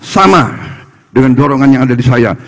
sama dengan dorongan yang ada di saya